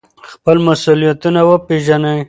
خپل مسؤلیتونه وپیژنئ.